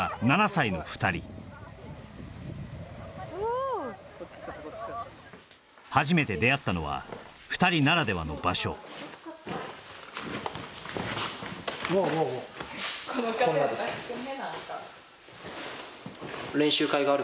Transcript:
７歳の２人初めて出会ったのは２人ならではの場所わあ